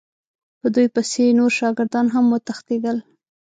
په دوی پسې نور شاګردان هم وتښتېدل.